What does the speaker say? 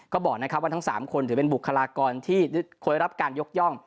ก็บอกนะครับว่าทั้ง๓คนถือเป็นบุคลากรที่เคยรับการยกย่อง